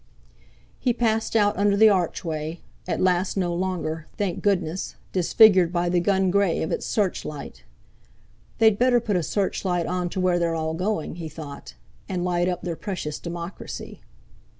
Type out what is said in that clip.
He passed out under the archway, at last no longer—thank goodness!—disfigured by the gungrey of its search light. 'They'd better put a search light on to where they're all going,' he thought, 'and light up their precious democracy!'